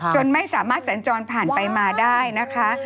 จนไม่สามารถสัญจรผ่านไปมาได้นะคะ